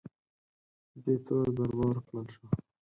دې تور ضربه ورکړل شوه